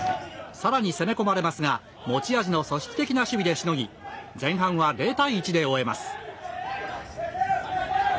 さらに攻め込まれますが持ち味の組織的な守備でしのぎ前半は０対１で終えます。